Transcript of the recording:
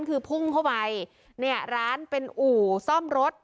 คือพุ่งเข้าไปเนี่ยร้านเป็นอู่ซ่อมรถ